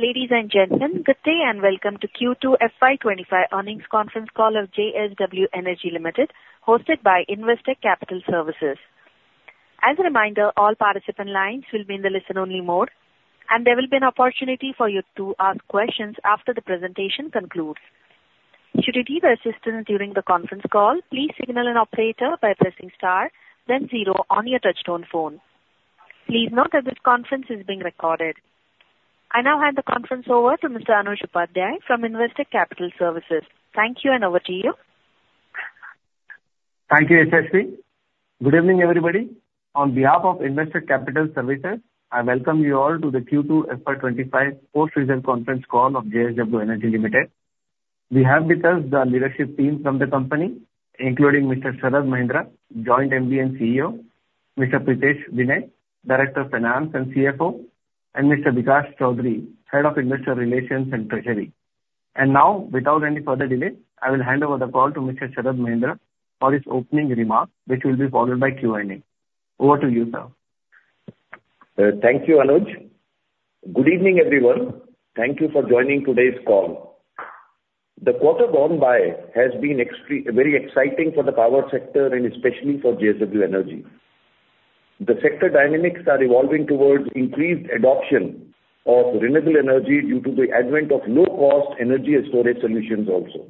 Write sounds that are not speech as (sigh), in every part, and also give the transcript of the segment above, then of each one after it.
Ladies and gentlemen, good day, and welcome to Q2 FY twenty-five earnings conference call of JSW Energy Limited, hosted by Investec Capital Services. As a reminder, all participant lines will be in the listen-only mode, and there will be an opportunity for you to ask questions after the presentation concludes. Should you need assistance during the conference call, please signal an operator by pressing star, then zero on your touchtone phone. Please note that this conference is being recorded. I now hand the conference over to Mr. Anuj Upadhyay from Investec Capital Services. Thank you, and over to you. Thank you, Jessie. Good evening, everybody. On behalf of Investec Capital Services, I welcome you all to the Q2 FY twenty-five post result conference call of JSW Energy Limited. We have with us the leadership team from the company, including Mr. Sharad Mahendra, Joint MD CEO, Mr. Pritesh Vinay, Director of Finance and CFO, and Mr. Vikas Chaudhary, Head of Investor Relations and Treasury. And now, without any further delay, I will hand over the call to Mr. Sharad Mahendra for his opening remarks, which will be followed by Q&A. Over to you, sir. Thank you, Anuj. Good evening, everyone. Thank you for joining today's call. The quarter gone by has been very exciting for the power sector and especially for JSW Energy. The sector dynamics are evolving towards increased adoption of renewable energy due to the advent of low-cost energy and storage solutions also.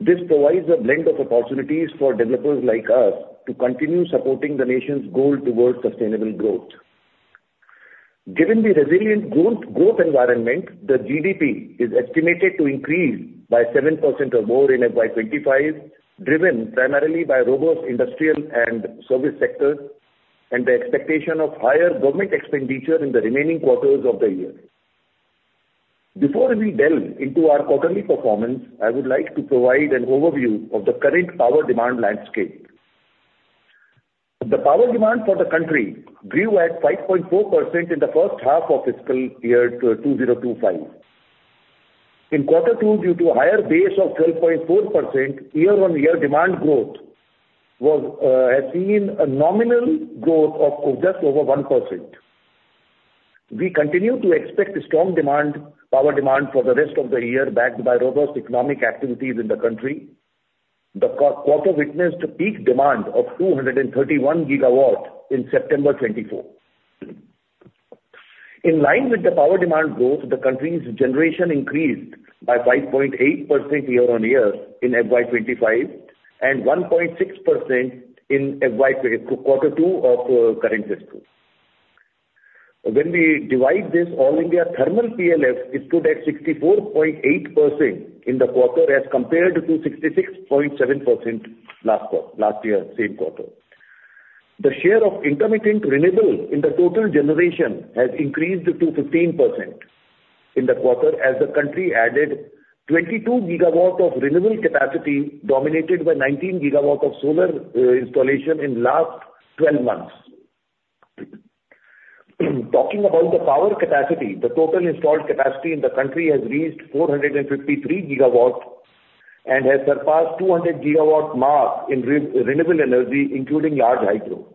This provides a blend of opportunities for developers like us to continue supporting the nation's goal towards sustainable growth. Given the resilient growth, growth environment, the GDP is estimated to increase by 7% or more in FY 2025, driven primarily by robust industrial and service sectors, and the expectation of higher government expenditure in the remaining quarters of the year. Before we delve into our quarterly performance, I would like to provide an overview of the current power demand landscape. The power demand for the country grew at 5.4% in the first half of fiscal year 2025. In quarter two, due to a higher base of 12.4%, year-on-year demand growth was, has seen a nominal growth of, of just over 1%. We continue to expect strong demand, power demand for the rest of the year, backed by robust economic activities in the country. The quarter witnessed a peak demand of 231 GW in September 2024. In line with the power demand growth, the country's generation increased by 5.8% year on year in FY 2025, and 1.6% in quarter two of, current fiscal. When we divide this, all India thermal PLF stood at 64.8% in the quarter, as compared to 66.7% last year, same quarter. The share of intermittent renewable in the total generation has increased to 15% in the quarter, as the country added 22 GW of renewable capacity, dominated by 19 GW of solar installation in last twelve months. Talking about the power capacity, the total installed capacity in the country has reached 453 GW, and has surpassed 200 GW mark in renewable energy, including large hydro.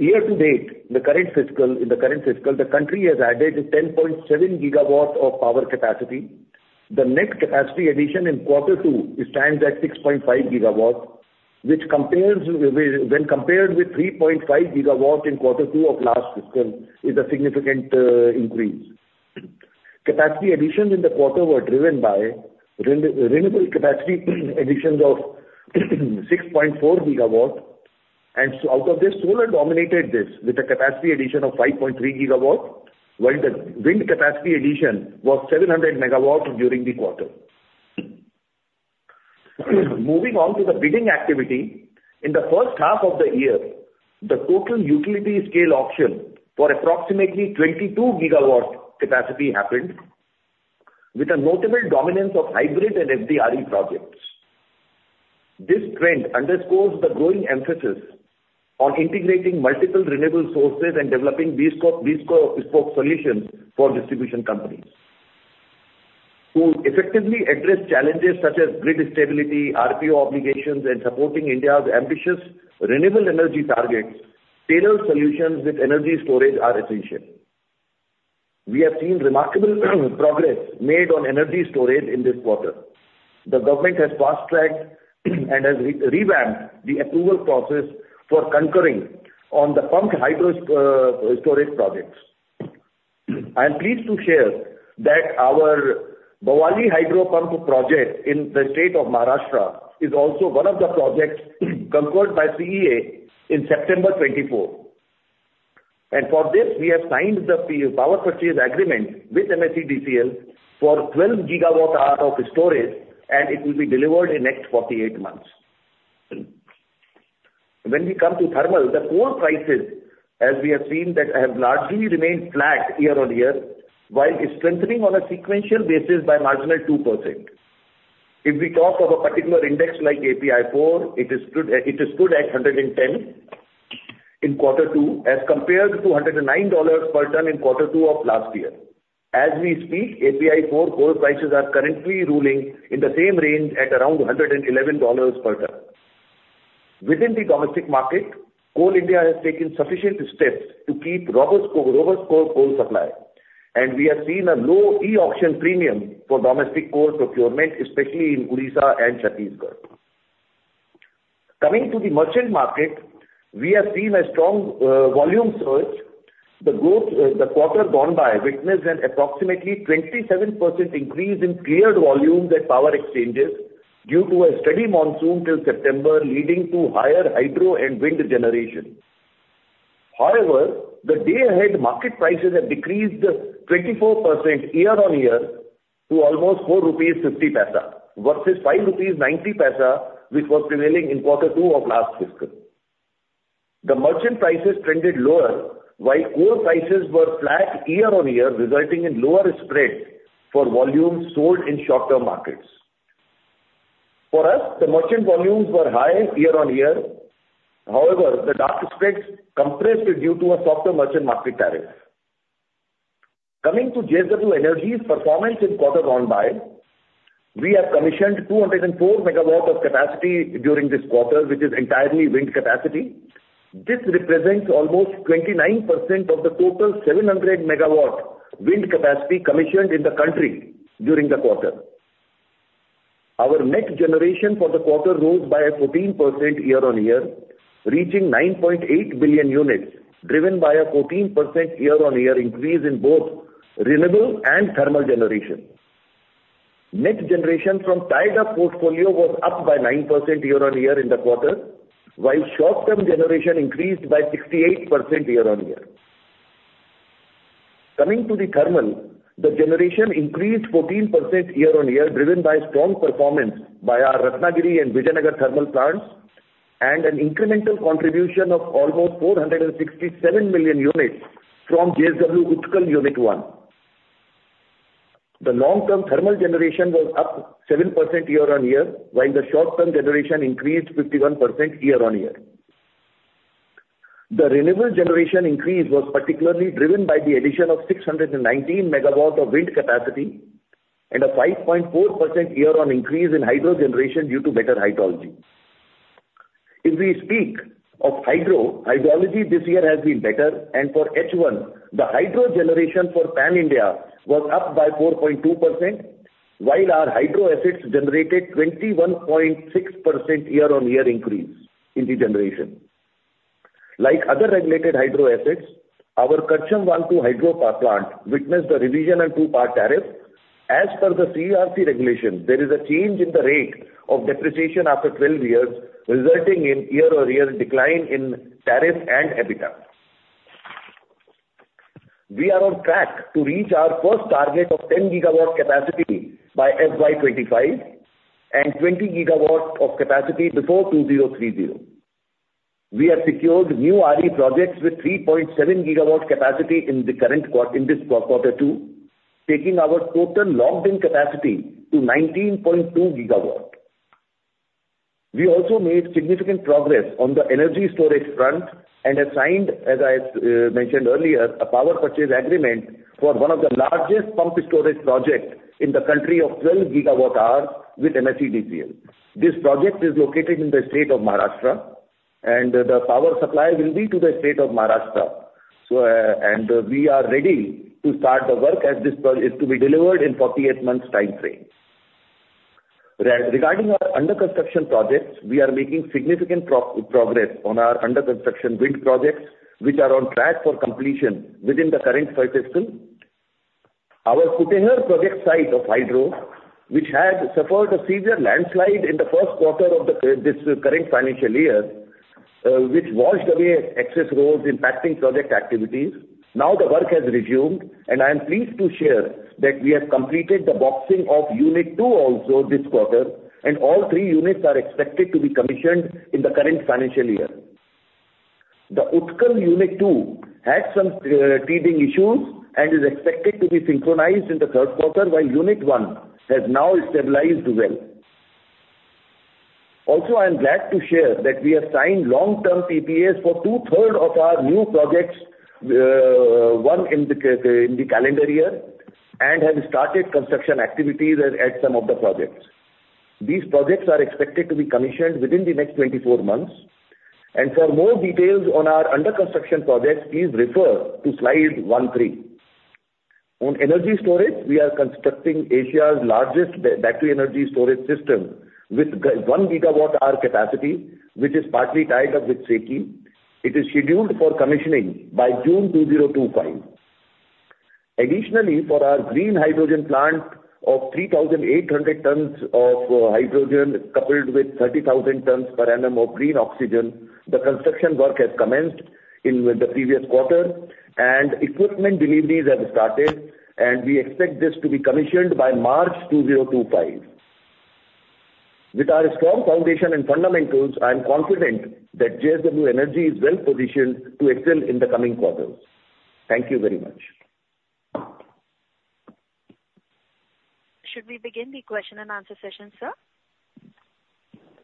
Year to date in the current fiscal, the country has added 10.7 GWs of power capacity. The net capacity addition in quarter two stands at 6.5 GWs, which compares, when compared with 3.5 GWs in quarter two of last fiscal, is a significant increase. Capacity additions in the quarter were driven by renewable capacity additions of 6.4 GWs, and so out of this, solar dominated this with a capacity addition of 5.3 GWs, while the wind capacity addition was 700 MW during the quarter. Moving on to the bidding activity, in the first half of the year, the total utility scale auction for approximately 22 GWs capacity happened, with a notable dominance of hybrid and FDRE projects. This trend underscores the growing emphasis on integrating multiple renewable sources and developing bespoke solutions for distribution companies. To effectively address challenges such as grid stability, RPO obligations, and supporting India's ambitious renewable energy targets, tailored solutions with energy storage are essential. We have seen remarkable progress made on energy storage in this quarter. The government has fast-tracked and has revamped the approval process for concurrence on the pumped hydro storage projects. I am pleased to share that our Bhavali Hydro Pump project in the state of Maharashtra is also one of the projects concurrence by CEA in September 2024. For this, we have signed the Power Purchase Agreement with MSEDCL for 12 GW hours of storage, and it will be delivered in the next 48 months. When we come to thermal, the coal prices, as we have seen, that have largely remained flat year on year, while strengthening on a sequential basis by marginal 2%. If we talk of a particular index like API 4, it stood at 110 in quarter two, as compared to $109 per ton in quarter two of last year. As we speak, API 4 coal prices are currently ruling in the same range at around $111 per ton. Within the domestic market, Coal India has taken sufficient steps to keep robust coal supply, and we have seen a low e-auction premium for domestic coal procurement, especially in Odisha and Chhattisgarh. Coming to the merchant market, we have seen a strong volume surge. The quarter gone by witnessed an approximately 27% increase in cleared volume at power exchanges due to a steady monsoon till September, leading to higher hydro and wind generation. However, the day ahead market prices have decreased 24% year-on-year to almost INR 4.50, versus INR 5.90, which was prevailing in quarter two of last fiscal. The merchant prices trended lower, while coal prices were flat year-on-year, resulting in lower spread for volumes sold in short term markets. For us, the merchant volumes were high year-on-year. However, the Dark spreads compressed due to a softer merchant market tariff. Coming to JSW Energy's performance in quarter gone by, we have commissioned 204 MW of capacity during this quarter, which is entirely wind capacity. This represents almost 29% of the total 700 MW wind capacity commissioned in the country during the quarter. Our net generation for the quarter rose by 14% year-on-year, reaching 9.8 billion units, driven by a 14% year-on-year increase in both renewable and thermal generation. Net generation from tied-up portfolio was up by 9% year-on-year in the quarter, while short-term generation increased by 68% year-on-year. Coming to the thermal, the generation increased 14% year-on-year, driven by strong performance by our Ratnagiri and Vijayanagar thermal plants, and an incremental contribution of almost 467 million units from JSW Utkal Unit One. The long-term thermal generation was up 7% year-on-year, while the short-term generation increased 51% year-on-year. The renewable generation increase was particularly driven by the addition of 619 MW of wind capacity and a 5.4% year-on-year increase in hydro generation due to better hydrology. If we speak of hydro, hydrology this year has been better, and for H1, the hydro generation for Pan India was up by 4.2%, while our hydro assets generated 21.6% year-on-year increase in the generation. Like other regulated hydro assets, our Karcham Wangto hydro power plant witnessed the revision and two-part tariff. As per the CERC regulation, there is a change in the rate of depreciation after 12 years, resulting in year-on-year decline in tariff and EBITDA. We are on track to reach our first target of 10 GW capacity by FY 2025, and 20 GW of capacity before 2030. We have secured new RE projects with 3.7 GW capacity in this quarter two, taking our total locked-in capacity to 19.2 GW. We also made significant progress on the energy storage front and have signed, as I mentioned earlier, a power purchase agreement for one of the largest pumped storage projects in the country of twelve GW hours with MSEDCL. This project is located in the state of Maharashtra, and the power supply will be to the state of Maharashtra. We are ready to start the work as this project is to be delivered in forty-eight months timeframe. Regarding our under construction projects, we are making significant progress on our under construction wind projects, which are on track for completion within the current financial year. Our Kutehr project site of hydro, which had suffered a severe landslide in the first quarter of the this current financial year, which washed away access roads impacting project activities. Now, the work has resumed, and I am pleased to share that we have completed the boxing of Unit Two also this quarter, and all three units are expected to be commissioned in the current financial year. The Utkal Unit Two had some teething issues and is expected to be synchronized in the third quarter, while Unit One has now stabilized well. Also, I am glad to share that we have signed long-term PPAs for two-third of our new projects, one in the calendar year, and have started construction activities at some of the projects. These projects are expected to be commissioned within the next twenty-four months. And for more details on our under construction projects, please refer to slide one three. On energy storage, we are constructing Asia's largest battery energy storage system with one GW hour capacity, which is partly tied up with SECI. It is scheduled for commissioning by June 2025. Additionally, for our green hydrogen plant of 3,800 tons of hydrogen, coupled with 30,000 tons per annum of green oxygen, the construction work has commenced in the previous quarter and equipment deliveries have started, and we expect this to be commissioned by March 2025. With our strong foundation and fundamentals, I am confident that JSW Energy is well positioned to excel in the coming quarters. Thank you very much. Should we begin the question and answer session, sir?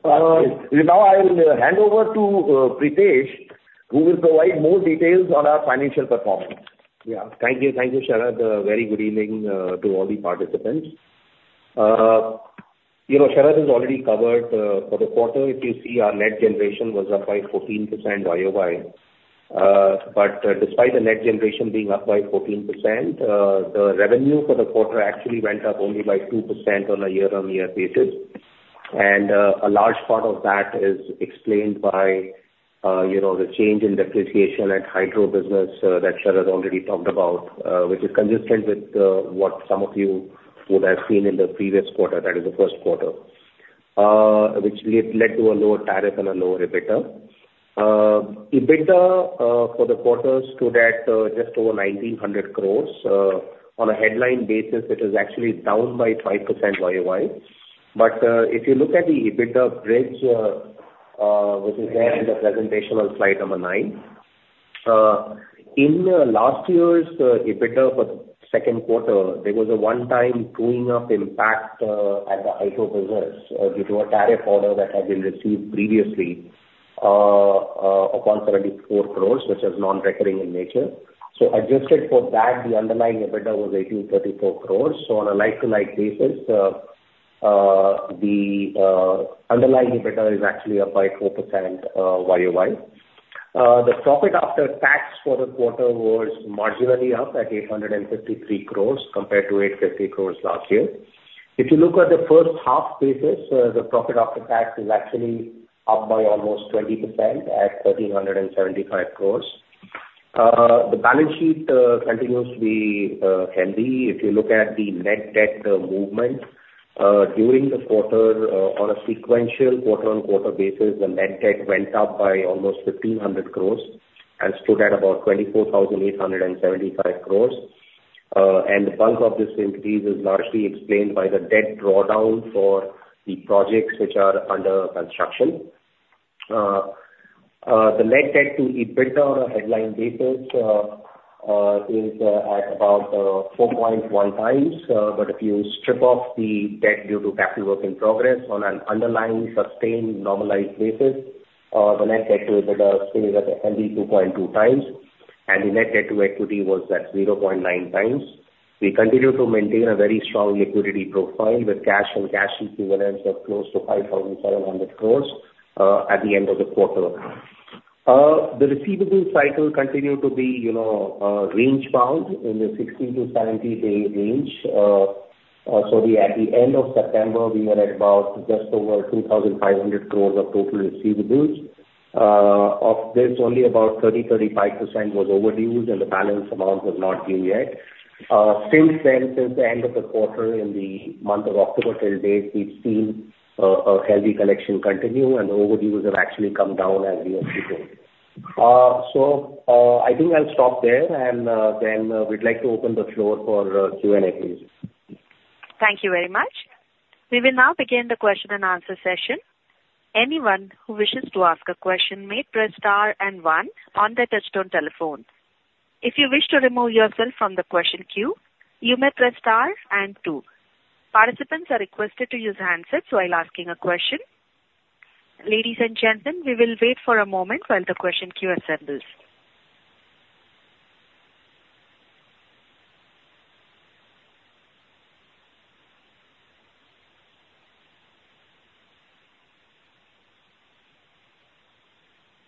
Now I will hand over to Pritesh, who will provide more details on our financial performance. Yeah. Thank you. Thank you, Sharad. Very good evening to all the participants. You know, Sharad has already covered for the quarter, if you see our net generation was up by 14% YOY. But despite the net generation being up by 14%, the revenue for the quarter actually went up only by 2% on a year-on-year basis. And a large part of that is explained by you know, the change in depreciation at hydro business, that Sharad already talked about, which is consistent with what some of you would have seen in the previous quarter, that is, the first quarter. Which has led to a lower tariff and a lower EBITDA. EBITDA for the quarter stood at just over 1,900 crores. On a headline basis, it is actually down by 5% YOY. But if you look at the EBITDA bridge, which is there in the presentation on slide number nine. In last year's EBITDA for second quarter, there was a one-time truing-up impact at the hydro business due to a tariff order that had been received previously of 174 crores, which is non-recurring in nature. So adjusted for that, the underlying EBITDA was 1,834 crores. So on a like-to-like basis, the underlying EBITDA is actually up by 4% YOY. The profit after tax for the quarter was marginally up at 853 crores compared to 850 crores last year. If you look at the first half basis, the profit after tax is actually up by almost 20% at 1,375 crores. The balance sheet continues to be healthy. If you look at the net debt movement during the quarter, on a sequential quarter-on-quarter basis, the net debt went up by almost 1,500 crores and stood at about 24,875 crores, and the bulk of this increase is largely explained by the debt drawdown for the projects which are under construction. The net debt to EBITDA on a headline basis is at about 4.1x. But if you strip off the debt due to capital work in progress on an underlying, sustained, normalized basis, the net debt to EBITDA stands at a healthy 2.2 times, and the net debt to equity was at 0.9x. We continue to maintain a very strong liquidity profile with cash and cash equivalents of close to 5,700 crores at the end of the quarter. The receivables cycle continue to be, you know, range-bound in the 60- to 70-day range. So at the end of September, we were at about just over 2,500 crores of total receivables. Of this, only about 35% was overdue, and the balance amount was not due yet. Since then, since the end of the quarter, in the month of October till date, we've seen a healthy collection continue, and the overdue have actually come down as we. So, I think I'll stop there, and then we'd like to open the floor for Q&A please. Thank you very much. We will now begin the question-and-answer session. Anyone who wishes to ask a question may press star and one on their touchtone telephone. If you wish to remove yourself from the question queue, you may press star and two. Participants are requested to use handsets while asking a question. Ladies and gentlemen, we will wait for a moment while the question queue assembles.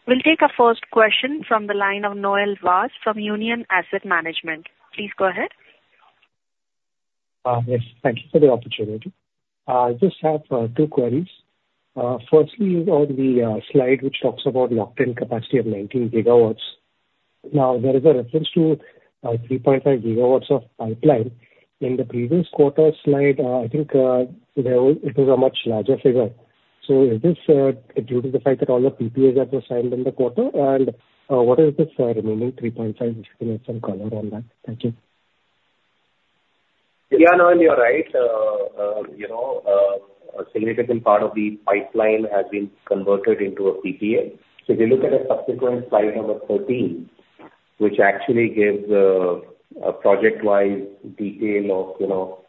We'll take our first question from the line of Noel Vaz from Union Asset Management. Please go ahead. Yes, thank you for the opportunity. I just have two queries. Firstly, on the slide, which talks about the installed capacity of nineteen GWs. Now, there is a reference to three point five GWs of pipeline. In the previous quarter slide, I think there it was a much larger figure. So is this due to the fact that all the PPAs that were signed in the quarter? And what is this remaining three point five? If you can give some color on that. Thank you. Yeah, Noel, you're right. You know, a significant part of the pipeline has been converted into a PPA. So if you look at the subsequent slide number thirteen, which actually gives a project-wide detail of, you know,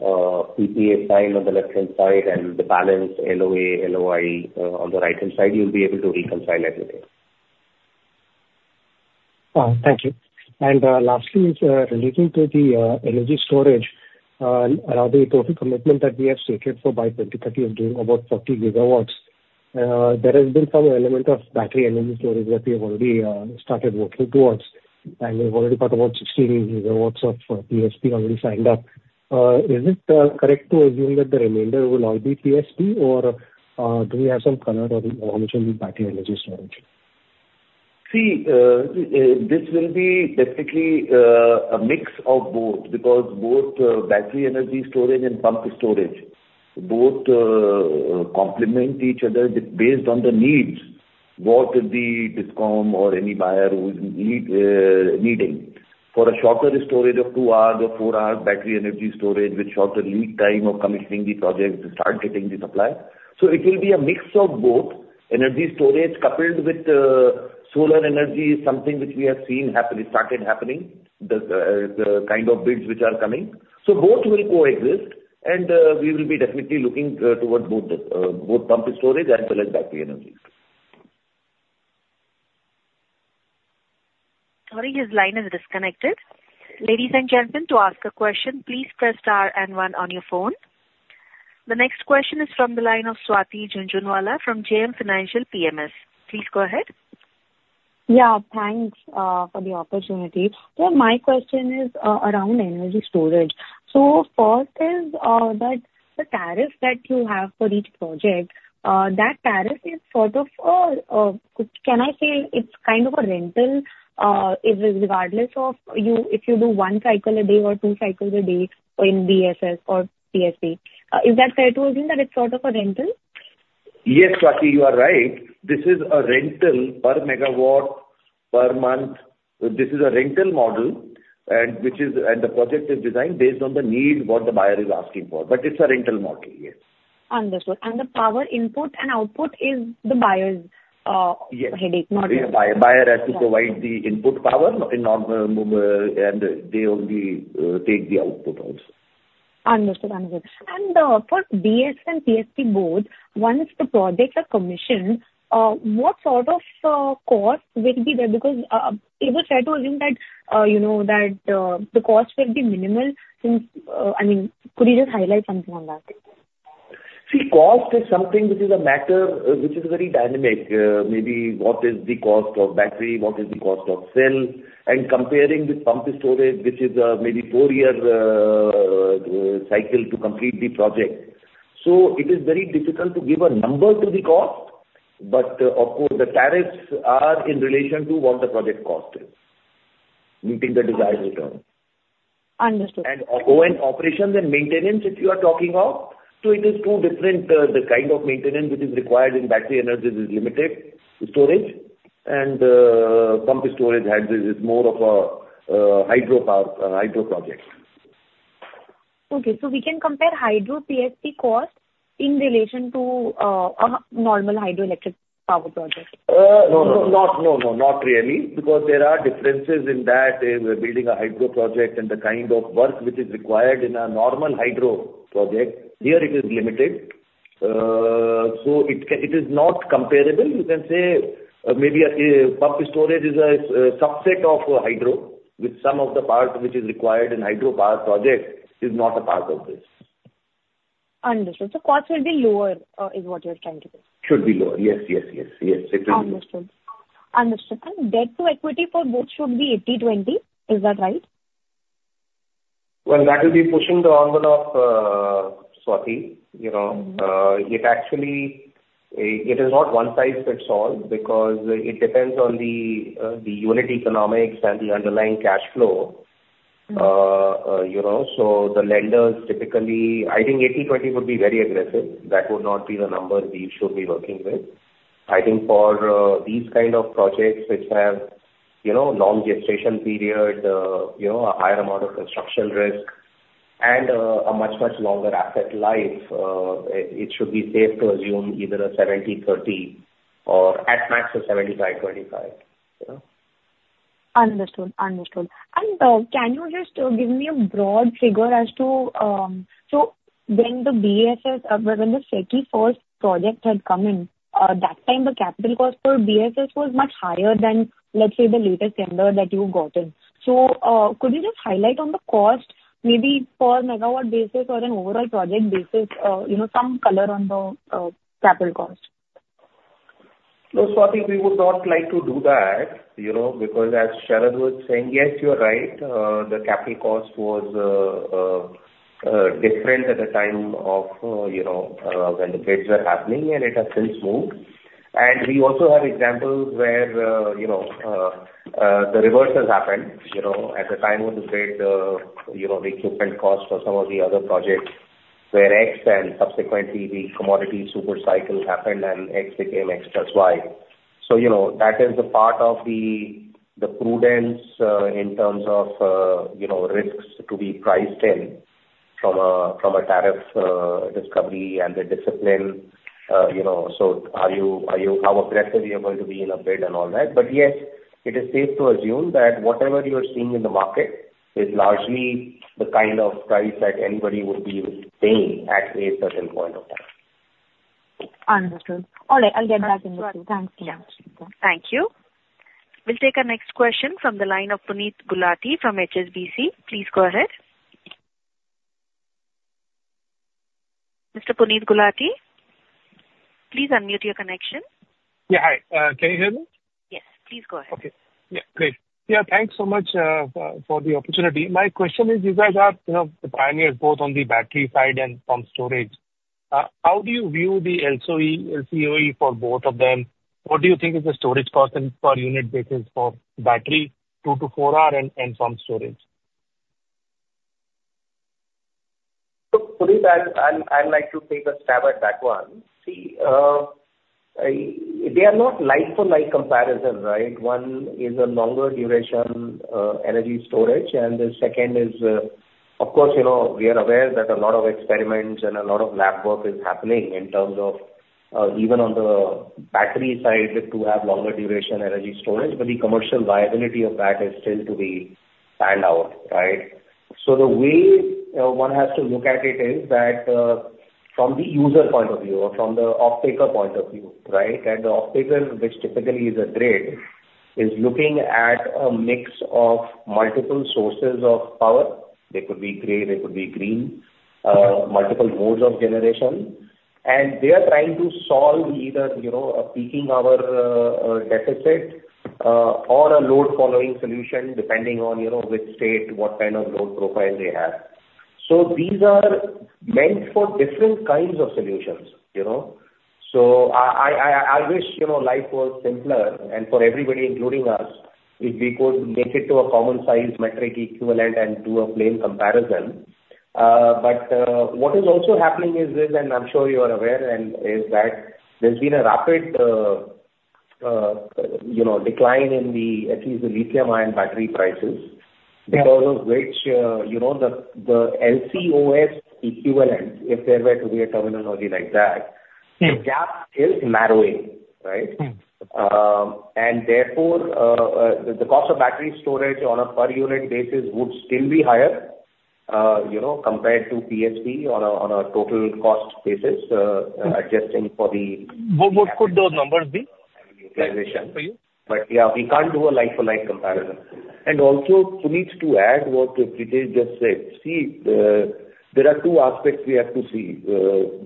PPA signed on the left-hand side and the balance LOA, LOI on the right-hand side, you'll be able to reconcile everything. Thank you. And lastly, relating to the energy storage around the total commitment that we have stated for by 2030 of doing about 40 GWs. There has been some element of battery energy storage that we have already started working towards, and we've already got about 16 GWs of PSP already signed up. Is it correct to assume that the remainder will all be PSP, or do we have some color on which will be battery energy storage? See, this will be basically a mix of both, because both battery energy storage and pumped storage complement each other based on the needs, what the discom or any buyer will need. For a shorter storage of two hours or four hours, battery energy storage with shorter lead time of commissioning the project to start getting the supply. So it will be a mix of both. Energy storage coupled with solar energy is something which we have seen happen started happening, the kind of bids which are coming. So both will coexist, and we will be definitely looking towards both the pumped storage as well as battery energy. Sorry, his line is disconnected. Ladies and gentlemen, to ask a question, please press star and one on your phone. The next question is from the line of Swati Jhunjhunwala from JM Financial PMS. Please go ahead. Yeah, thanks for the opportunity. So my question is around energy storage. So first is that the tariff that you have for each project, that tariff is sort of, can I say it's kind of a rental, irregardless of you-- if you do one cycle a day or two cycles a day in BSS or PSP? Is that correct, that it's sort of a rental? Yes, Swati, you are right. This is a rental per megawatt per month. This is a rental model, and which is... And the project is designed based on the need, what the buyer is asking for, but it's a rental model, yes. Understood. And the power input and output is the buyer's (crosstalk) Yes. -headache, model (crosstalk) Yeah, buyer has to provide the input power in normal, and they only take the output also. Understood. Understood. And, for BS and PSP both, once the projects are commissioned, what sort of cost will be there? Because, it was said to me that, you know, that, the cost will be minimal since, I mean, could you just highlight something on that? See, cost is something which is a matter, which is very dynamic. Maybe what is the cost of battery, what is the cost of cell, and comparing with pumped storage, which is, maybe four years, cycle to complete the project. So it is very difficult to give a number to the cost, but of course, the tariffs are in relation to what the project cost is, meeting the desired return. Understood. O&M operations and maintenance, if you are talking of, so it is two different, the kind of maintenance which is required in battery energy storage is limited, and pumped storage is more of a hydropower hydro project. Okay, so we can compare hydro PSP costs in relation to a normal hydroelectric power project? No, not really, because there are differences in that, in building a hydro project and the kind of work which is required in a normal hydro project. Here it is limited. So, it can it is not comparable. You can say, maybe a pumped storage is a subset of hydro, with some of the parts which is required in hydropower project is not a part of this. Understood. So costs will be lower, is what you're trying to say? Should be lower. Yes, yes, yes, yes, Understood. Understood. And debt to equity for both should be 80/20. Is that right? That will be pushing the envelope, Swati. You know it actually is not one-size-fits-all, because it depends on the unit economics and the underlying cash flow. So the lenders typically. I think eighty/twenty would be very aggressive. That would not be the number we should be working with. I think for these kind of projects, which have you know, long gestation period, a higher amount of construction risk, and a much, much longer asset life, it should be safe to assume either a 70/30 or at max, a 75/25. Understood. Understood. And, can you just give me a broad figure as to... So when the BESS, when the SECI first project had come in, that time the capital cost for BESS was much higher than, let's say, the latest tender that you've gotten. So, could you just highlight on the cost, maybe per megawatt basis or an overall project basis, you know, some color on the capital cost? No, Swati, we would not like to do that, you know, because as Sharad was saying, yes, you're right, the capital cost was different at the time of, you know, when the bids were happening, and it has since moved. And we also have examples where, you know, the reverse has happened. You know, at the time of the bid, you know, the equipment cost for some of the other projects, where X and subsequently the commodity super cycle happened, and X became X plus Y. So, you know, that is the part of the prudence, in terms of, you know, risks to be priced in from a, from a tariff, discovery and the discipline, you know, so are you, how aggressive you're going to be in a bid and all that. But yes, it is safe to assume that whatever you are seeing in the market is largely the kind of price that anybody would be paying at a certain point of time. Understood. All right. I'll get back in touch. Thank you so much. Thank you. We'll take our next question from the line of Puneet Gulati from HSBC. Please go ahead. Mr. Puneet Gulati, please unmute your connection. Yeah, hi. Can you hear me? Yes. Please, go ahead. Okay. Yeah, great. Yeah, thanks so much for the opportunity. My question is, you guys are, you know, the pioneers both on the battery side and pumped storage. How do you view the LCOE for both of them? What do you think is the storage cost on per unit basis for battery, two- to four-hour and pumped storage? So, Puneet, I'd like to take a stab at that one. See, they are not like-for-like comparison, right? One is a longer duration energy storage, and the second is, of course, you know, we are aware that a lot of experiments and a lot of lab work is happening in terms of even on the battery side to have longer duration energy storage, but the commercial viability of that is still to be planned out, right? So the way one has to look at it is that from the user point of view or from the offtaker point of view, right? And the offtaker, which typically is a grid, is looking at a mix of multiple sources of power. They could be gray, they could be green, multiple modes of generation. They are trying to solve either, you know, a peaking hour deficit, or a load-following solution, depending on, you know, which state, what kind of load profile they have. So these are meant for different kinds of solutions, you know? So I wish, you know, life was simpler, and for everybody, including us, if we could make it to a common size metric equivalent and do a plain comparison. But what is also happening is this, and I'm sure you are aware, and is that there's been a rapid, you know, decline in at least the lithium-ion battery prices- Yeah. -because of which, you know, the LCOS equivalent, if there were to be a terminology like that- Yeah. The gap is narrowing, right? Mm. Therefore, the cost of battery storage on a per unit basis would still be higher, you know, compared to PSP on a total cost basis, adjusting for the- What could those numbers be for you? But yeah, we can't do a like-for-like comparison. And also, Puneet, to add what Pritesh just said, there are two aspects we have to see.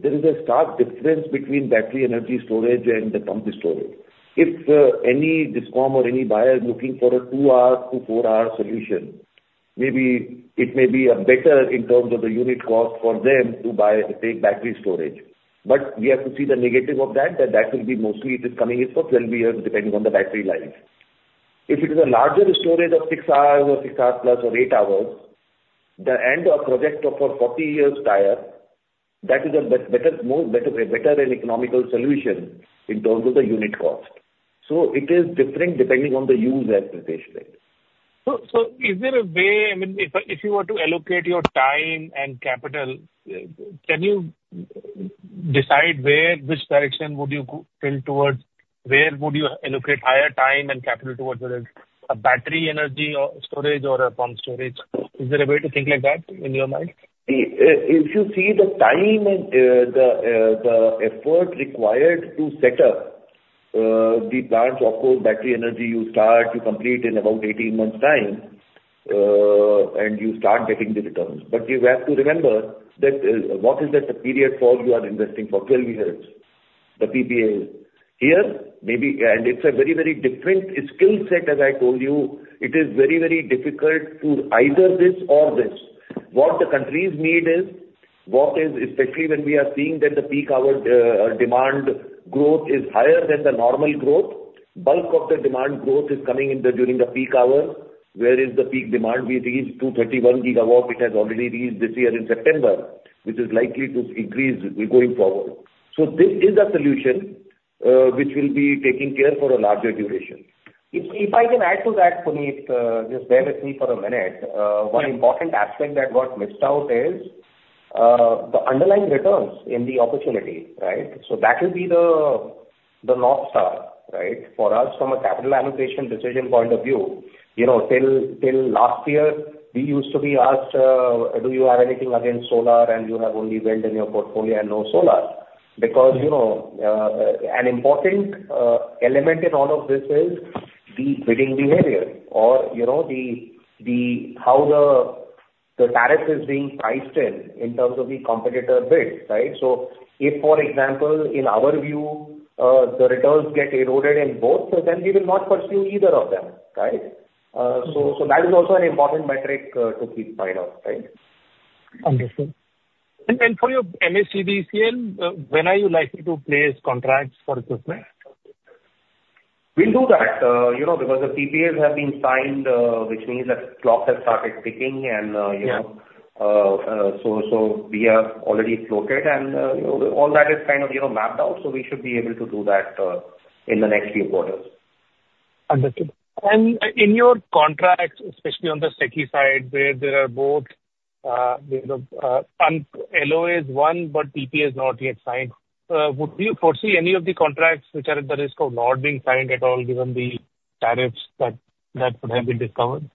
There is a stark difference between battery energy storage and the pumped storage. If any discom or any buyer is looking for a two-hour to four-hour solution, maybe it may be better in terms of the unit cost for them to buy, let's say, battery storage. We have to see the negative of that, that will be mostly it is coming in for twelve years, depending on the battery life. If it is a larger storage of six hours + or eight hours, the end of project of a forty years term, that is a better, more better, a better and economical solution in terms of the unit cost. So it is different depending on the use application. So, is there a way, I mean, if, if you were to allocate your time and capital, can you decide where, which direction would you go, tilt towards? Where would you allocate higher time and capital towards whether it's battery energy storage or pumped storage? Is there a way to think like that in your mind? See, if you see the time and the effort required to set up the plants, of course, battery energy, you start to complete in about eighteen months' time, and you start getting the returns. But you have to remember that, what is that the period for you are investing for twelve years, the PPAs. Here, maybe, and it's a very, very different skill set, as I told you. It is very, very difficult to either this or this. What the countries need is, especially when we are seeing that the peak hour demand growth is higher than the normal growth, bulk of the demand growth is coming in the during the peak hours, whereas the peak demand we reached 231 GW, which has already reached this year in September, which is likely to increase going forward. So this is a solution, which will be taking care for a larger duration. If I can add to that, Puneet, just bear with me for a minute. One important aspect that got missed out is, the underlying returns in the opportunity, right? So that will be the North Star, right? For us, from a capital allocation decision point of view, you know, till last year, we used to be asked, "Do you have anything against solar, and you have only wind in your portfolio and no solar?" Because, you know, an important element in all of this is the bidding behavior or, you know, how the tariff is being priced in terms of the competitor bids, right? So if, for example, in our view, the returns get eroded in both, so then we will not pursue either of them, right? So that is also an important metric to keep mind of, right? Understood. And for your MSEDCL, when are you likely to place contracts for equipment? We'll do that, you know, because the PPAs have been signed, which means that clock has started ticking, and- Yeah. We have already floated and, you know, all that is kind of, you know, mapped out, so we should be able to do that in the next few quarters. Understood. And in your contracts, especially on the SECI side, where there are both, you know, LOA is one, but PPA is not yet signed, would you foresee any of the contracts which are at the risk of not being signed at all, given the tariffs that have been discovered?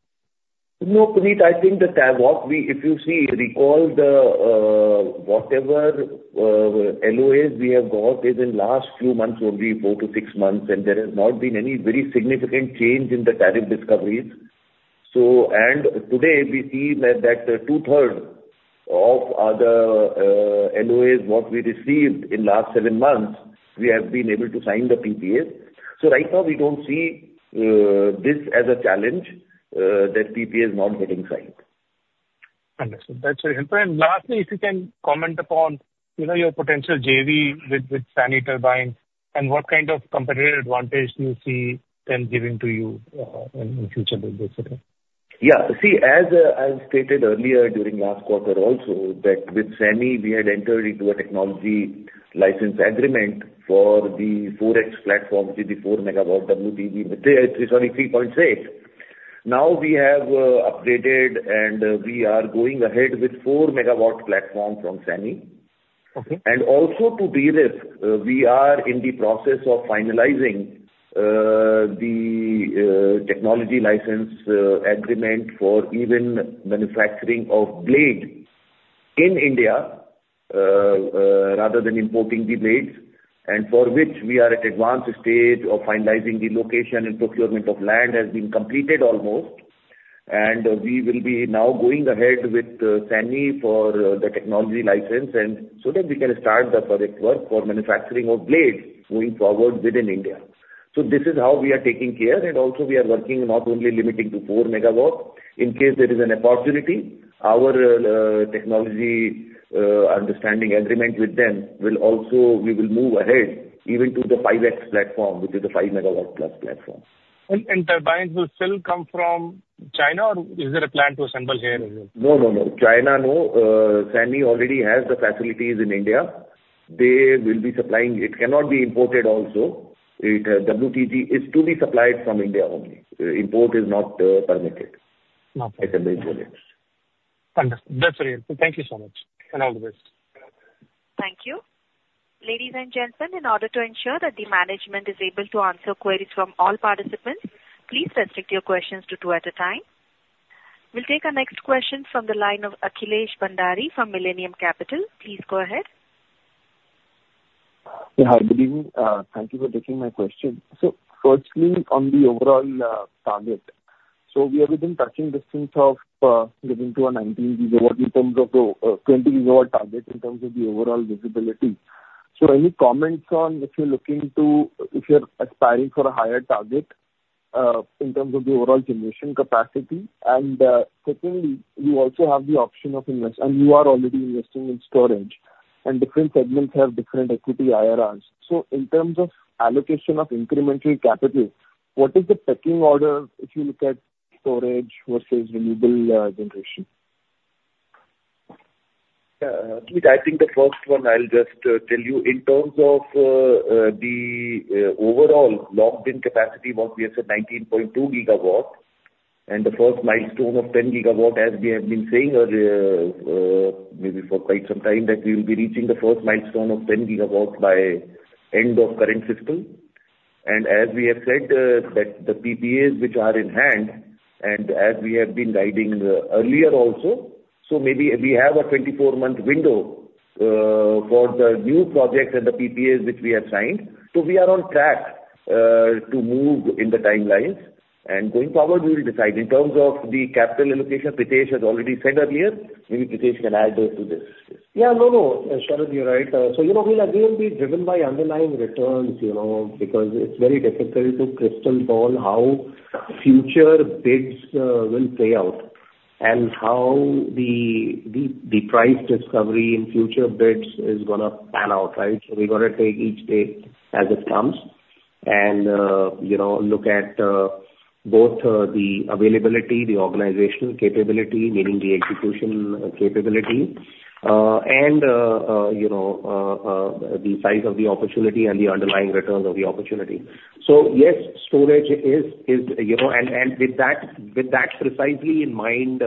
No, Puneet, I think well, we if you see recall the whatever LOAs we have got is in last few months, only four to six months, and there has not been any very significant change in the tariff discoveries. So and today, we see that two-thirds of other LOAs what we received in last seven months, we have been able to sign the PPAs. So right now, we don't see this as a challenge that PPA is not getting signed. Understood. That's very helpful. And lastly, if you can comment upon, you know, your potential JV with Sany turbine, and what kind of competitive advantage do you see them giving to you in future, basically? Yeah. See, as stated earlier during last quarter also, that with Sany, we had entered into a technology license agreement for the 4X platform, with the four megawatt WTG, sorry, three point six. Now we have upgraded, and we are going ahead with four MW platform from Sany. And also to de-risk, we are in the process of finalizing the technology license agreement for even manufacturing of blade in India, rather than importing the blades, and for which we are at advanced stage of finalizing the location and procurement of land has been completed almost. And we will be now going ahead with Sany for the technology license, and so that we can start the project work for manufacturing of blades going forward within India. So this is how we are taking care, and also we are working not only limiting to four MW. In case there is an opportunity, our technology understanding agreement with them will also. We will move ahead even to the 5X platform, which is a five MW + platform. Turbines will still come from China, or is there a plan to assemble here as well? No, no, no. China, no. Sany already has the facilities in India. They will be supplying. It cannot be imported also. It, WTG is to be supplied from India only. Import is not permitted. Okay. I can make it next. Understood. That's very helpful. Thank you so much, and all the best. Thank you. Ladies and gentlemen, in order to ensure that the management is able to answer queries from all participants, please restrict your questions to two at a time. We'll take our next question from the line of Akhilesh Bhandari from Millennium Capital. Please go ahead. Yeah, hi, good evening. Thank you for taking my question. So firstly, on the overall target, so we have been touching distance of getting to a 19 GW in terms of the 20 GW target, in terms of the overall visibility. So any comments on if you're looking to, if you're aspiring for a higher target in terms of the overall generation capacity? And secondly, you also have the option of invest, and you are already investing in storage, and different segments have different equity IRRs. So in terms of allocation of incremental capital, what is the pecking order if you look at storage versus renewable generation? Akhilesh, I think the first one I'll just tell you, in terms of the overall locked-in capacity, what we have said, 19.2 GWs, and the first milestone of 10 GWs, as we have been saying, maybe for quite some time, that we will be reaching the first milestone of 10 GWs by end of current fiscal. And as we have said, that the PPAs which are in hand, and as we have been guiding, earlier also, so maybe we have a 24-month window, for the new projects and the PPAs which we have signed. So we are on track, to move in the timelines, and going forward we will decide. In terms of the capital allocation, Pritesh has already said earlier. Maybe Pritesh can add to this. Yeah, no, no, Sharad, you're right. So, you know, we'll again be driven by underlying returns, you know, because it's very difficult to crystal ball how future bids will play out and how the price discovery in future bids is gonna pan out, right? So we're gonna take each day as it comes and, you know, look at both the availability, the organizational capability, meaning the execution capability, and you know, the size of the opportunity and the underlying returns of the opportunity. So yes, storage is, you know, and with that precisely in mind,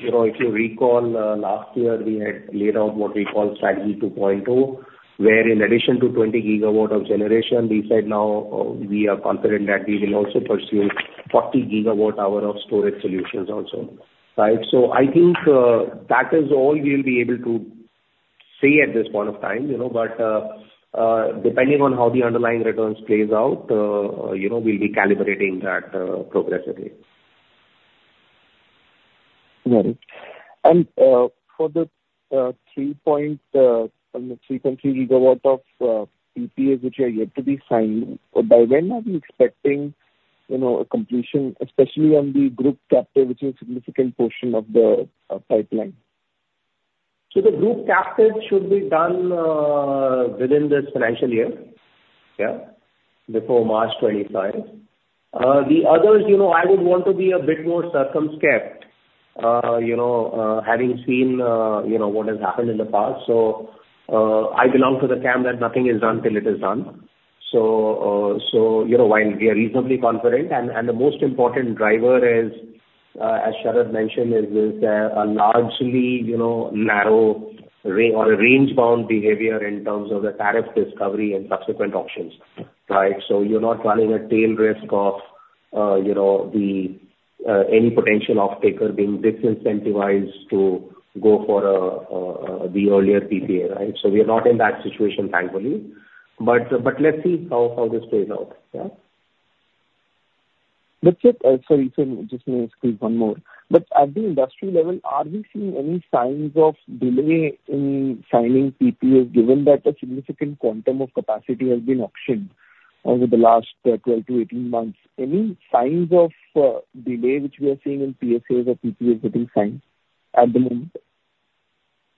you know, if you recall, last year, we had laid out what we call strategy 2.0, where in addition to 20 GW of generation, we said now, we are confident that we will also pursue 40 GW hour of storage solutions also, right? So I think, that is all we'll be able to say at this point of time, you know. But, depending on how the underlying returns plays out, you know, we'll be calibrating that, progressively. Got it. And for the three point GW of PPAs, which are yet to be signed, by when are we expecting, you know, a completion, especially on the group captive, which is a significant portion of the pipeline? The group captive should be done within this financial year, yeah, before March 2025. The others, you know, I would want to be a bit more circumspect, you know, having seen, you know, what has happened in the past. So, I belong to the camp that nothing is done till it is done. So, so, you know, while we are reasonably confident, and the most important driver is, as Sharad mentioned, is a largely, you know, narrow range- or a range-bound behavior in terms of the tariff discovery and subsequent auctions, right? So you're not running a tail risk of, you know, the any potential off-taker being disincentivized to go for, the earlier PPA, right? So we are not in that situation thankfully. But, let's see how this plays out. Yeah. Sorry, just may ask you one more. But at the industry level, are we seeing any signs of delay in signing PPAs, given that a significant quantum of capacity has been auctioned over the last twelve to eighteen months? Any signs of delay, which we are seeing in PSAs or PPAs that have been signed at the moment?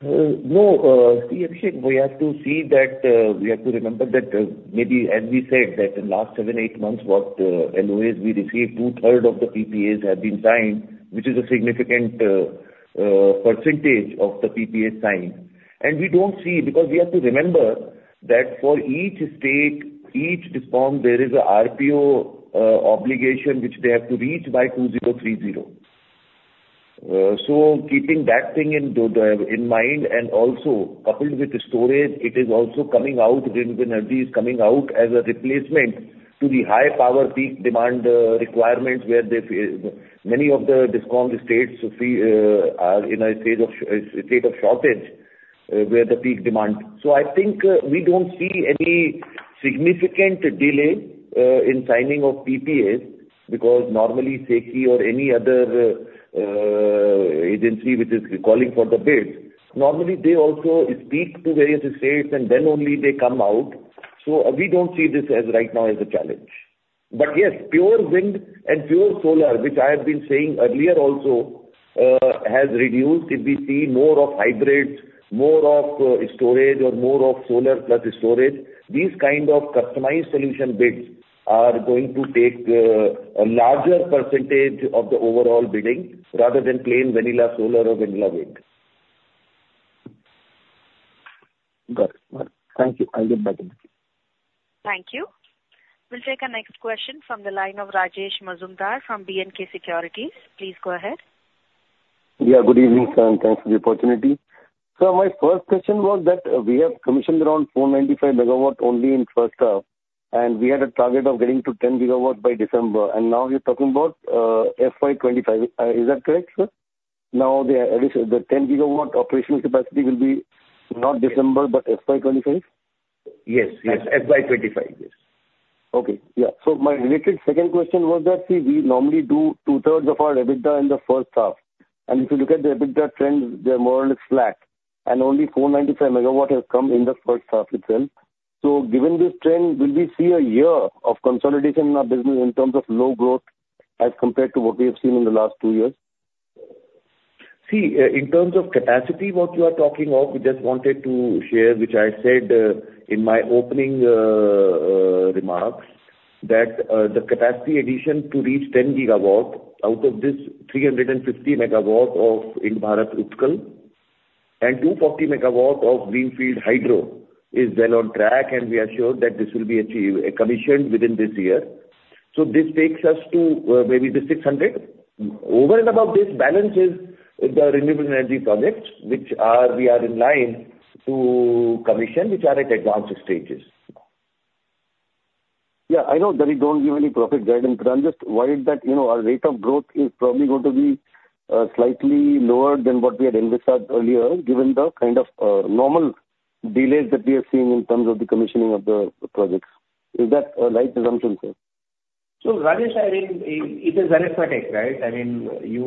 No, see, Abhishek, we have to see that, we have to remember that, maybe as we said, that in last seven, eight months, what LOAs we received, two-thirds of the PPAs have been signed, which is a significant percentage of the PPAs signed. And we don't see, because we have to remember that for each state, each discom, there is a RPO obligation which they have to reach by 2030. So keeping that in mind, and also coupled with the storage, it is also coming out, renewable energy is coming out as a replacement to the high power peak demand requirements, where for many of the discom states, we are in a state of shortage, where the peak demand. I think, we don't see any significant delay in signing of PPAs, because normally, SECI or any other agency which is calling for the bids, normally they also speak to various states, and then only they come out. So we don't see this as right now as a challenge. But yes, pure wind and pure solar, which I have been saying earlier also, has reduced. If we see more of hybrids, more of storage or more of solar plus storage, these kind of customized solution bids are going to take a larger percentage of the overall bidding rather than plain vanilla solar or vanilla wind. Got it. Thank you. I'll get back in touch. Thank you. We'll take our next question from the line of Rajesh Majumdar from B&K Securities. Please go ahead. Yeah, good evening, sir, and thanks for the opportunity. Sir, my first question was that we have commissioned around 495 megawatt only in first half, and we had a target of getting to 10 GW by December, and now you're talking about FY 2025. Is that correct, sir? Now, the ten GW operational capacity will be not December, but FY 2025? Yes, yes. FY 2025, yes. So my related second question was that, see, we normally do two-thirds of our EBITDA in the first half, and if you look at the EBITDA trends, they're more or less flat, and only 495 MW has come in the first half itself. So given this trend, will we see a year of consolidation in our business in terms of low growth as compared to what we have seen in the last two years? See, in terms of capacity, what you are talking of, we just wanted to share, which I said in my opening remarks, that the capacity addition to reach 10 GW out of this 350 MW of in Barath Utkal, and 240 MW of greenfield hydro is well on track, and we are sure that this will be achieved, commissioned within this year. So this takes us to maybe the 600. Over and above this, balance is the renewable energy projects, which are, we are in line to commission, which are at advanced stages. Yeah, I know that you don't give any profit guidance, but I'm just worried that, you know, our rate of growth is probably going to be slightly lower than what we had envisaged earlier, given the kind of normal delays that we are seeing in terms of the commissioning of the projects. Is that a right assumption, sir? So, Rajesh, I mean, it is arithmetic, right? I mean, you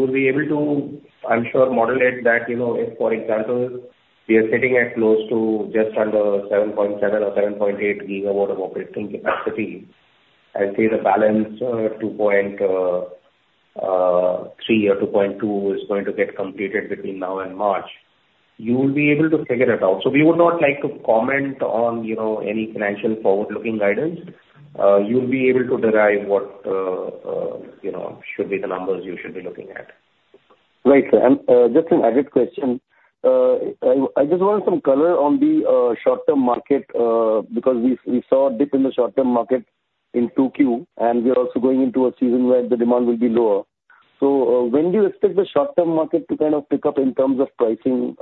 will be able to, I'm sure, model it that, you know, if, for example, we are sitting at close to just under seven point seven or seven point eight GW of operating capacity, and say the balance two point three or two point two is going to get completed between now and March, you will be able to figure it out. So we would not like to comment on, you know, any financial forward-looking guidance. You'll be able to derive what, you know, should be the numbers you should be looking at. Right, sir. And, just an added question. I just want some color on the short-term market, because we saw a dip in the short-term market in 2Q, and we are also going into a season where the demand will be lower. So, when do you expect the short-term market to kind of pick up in terms of pricing,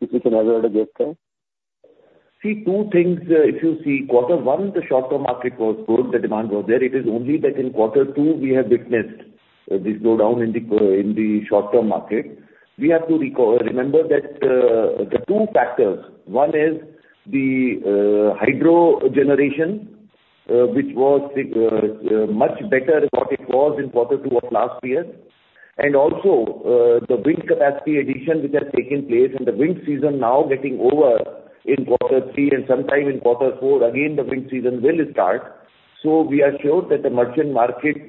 if you can have a guess, sir? See, two things. If you see quarter one, the short-term market was good, the demand was there. It is only that in quarter two, we have witnessed this slowdown in the short-term market. We have to remember that the two factors: One is the hydro generation, which was much better than what it was in quarter two of last year, and also the wind capacity addition, which has taken place, and the wind season now getting over in quarter three, and sometime in quarter four, again, the wind season will start, so we are sure that the merchant market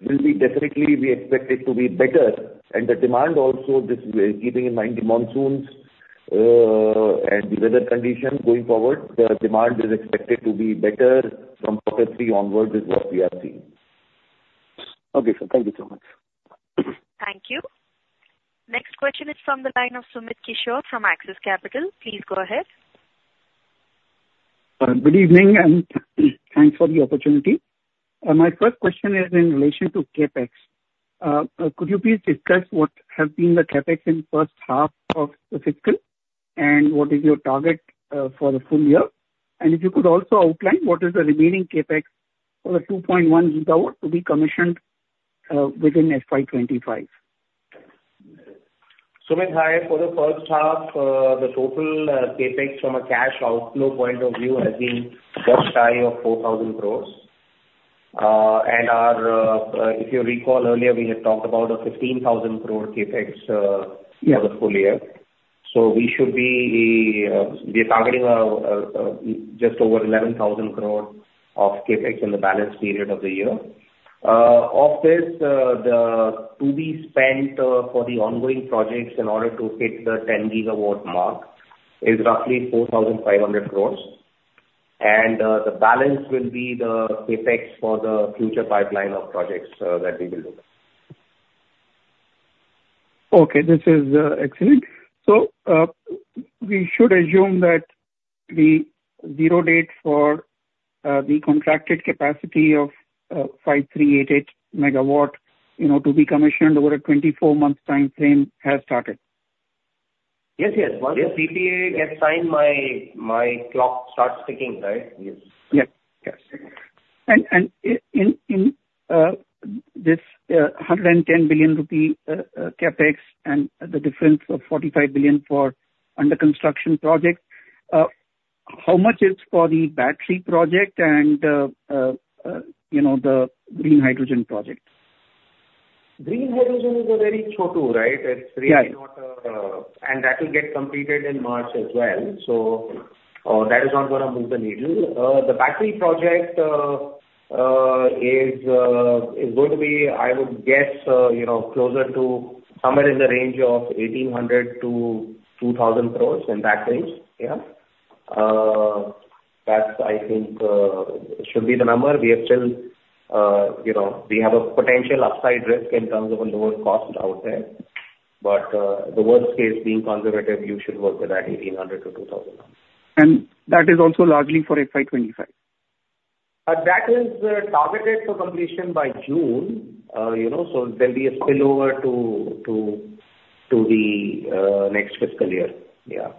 will be definitely, we expect it to be better. The demand also, keeping in mind the monsoons and the weather conditions going forward, the demand is expected to be better from quarter three onwards, is what we are seeing. Okay, sir. Thank you so much. Thank you. Next question is from the line of Sumit Kishore from Axis Capital. Please go ahead. Good evening, and thanks for the opportunity. My first question is in relation to CapEx. Could you please discuss what have been the CapEx in first half of the fiscal, and what is your target, for the full year? And if you could also outline what is the remaining CapEx for the 2.1 GW to be commissioned, within FY 2025. Sumit, hi. For the first half, the total CapEx from a cash outflow point of view has been just shy of 4,000 crores. And our, if you recall earlier, we had talked about a 15,000 crore CapEx. Yeah. -for the full year. So we should be, we are targeting just over 11,000 crore of CapEx in the balance period of the year. Of this, the to-be spent for the ongoing projects in order to hit the 10 GW mark is roughly 4,500 crores. And the balance will be the CapEx for the future pipeline of projects that we will do. Okay, this is excellent. So, we should assume that the zero date for the contracted capacity of 5388 megawatt, you know, to be commissioned over a twenty-four month time frame has started? Yes, yes. Once the PPA gets signed, my clock starts ticking, right? Yes. Yes, yes, and in this 110 billion rupee CapEx and the difference of 45 billion for under construction projects, how much is for the battery project and, you know, the green hydrogen project? Green hydrogen is a very small, right? It's really not. And that will get completed in March as well. So, that is not gonna move the needle. The battery project is going to be, I would guess, you know, closer to somewhere in the range of 1,800-2,000 crores, in that range, yeah. That, I think, should be the number. We are still, you know, we have a potential upside risk in terms of a lower cost out there, but, the worst case being conservative, you should work with that 1,800-2,000. That is also largely for FY 2025? That is targeted for completion by June, you know, so there'll be a spillover to the next fiscal year. Yeah.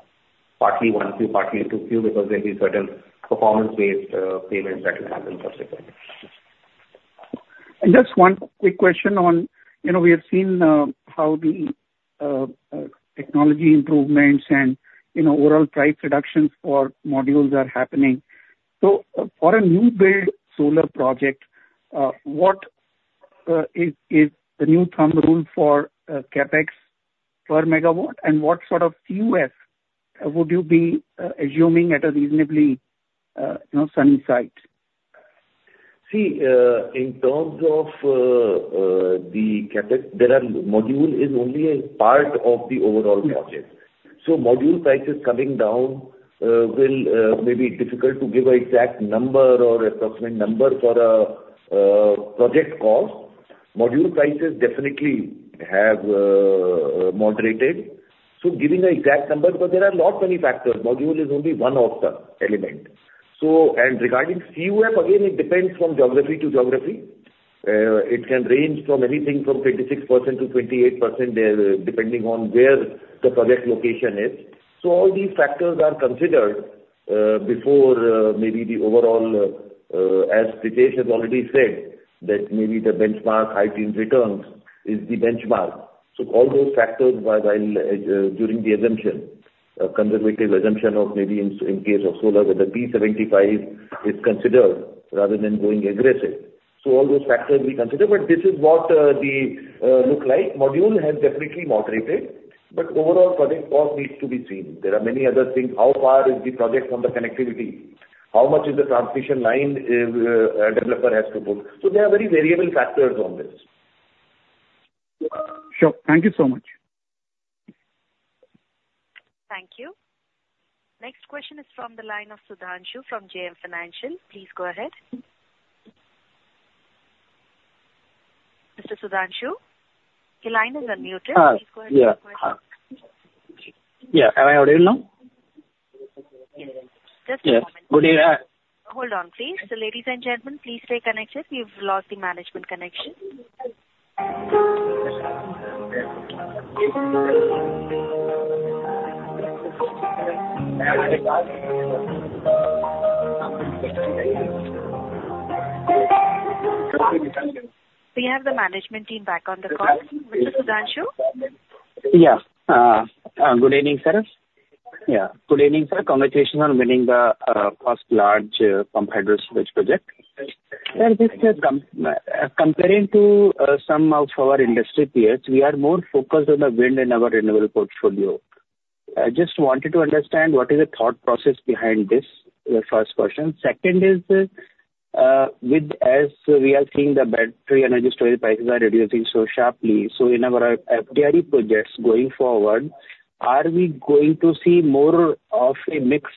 Partly one, two, partly two, two, because there'll be certain performance-based payments that will happen subsequently. And just one quick question on, you know, we have seen how the technology improvements and, you know, overall price reductions for modules are happening. So for a new build solar project, what is the new thumb rule for CapEx per megawatt? And what sort of CUF would you be assuming at a reasonably, you know, sunny site? See, in terms of the CapEx, the module is only a part of the overall project. So module prices coming down will may be difficult to give an exact number or approximate number for a project cost. Module prices definitely have moderated, so giving an exact number. But there are lots, many factors. Module is only one of the element. So, and regarding CUF, again, it depends from geography to geography. It can range from 26% to 28%, depending on where the project location is. So all these factors are considered before maybe the overall as Pritesh has already said, that maybe the benchmark high team returns is the benchmark. So all those factors during the assumption, a conservative assumption of maybe in case of solar, where the P75 is considered rather than going aggressive. So all those factors we consider, but this is what they look like. Module has definitely moderated, but overall project cost needs to be seen. There are many other things. How far is the project from the connectivity? How much is the transmission line the developer has to put? So there are very variable factors on this. Sure. Thank you so much. Thank you. Next question is from the line of Sudhanshu from JM Financial. Please go ahead. Mr. Sudhanshu, your line is unmuted. Uh, yeah (crosstalk) Please go ahead. Yeah. Am I audible now? (crosstalk) Just a moment. Good evening. Hold on, please. Ladies and gentlemen, please stay connected. We've lost the management connection. We have the management team back on the call. Mr. Sudhanshu? Yeah, good evening, sir. Congratulations on winning the first large pumped hydro storage project. Sir, just comparing to some of our industry peers, we are more focused on the wind and our renewable portfolio. I just wanted to understand what is the thought process behind this? The first question. Second is, with as we are seeing the battery energy storage prices are reducing so sharply, so in our FDRE projects going forward, are we going to see more of a mix